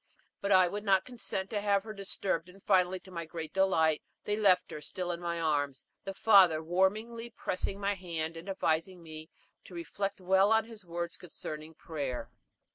But I would not consent to have her disturbed; and finally, to my great delight, they left her still in my arms, the father warmly pressing my hand, and advising me to reflect well on his words concerning prayer.